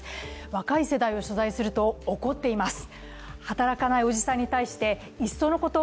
若い世代を取材すると怒っています。